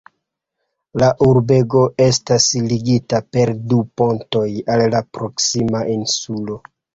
La urbego estas ligita per du pontoj al la proksima insulo.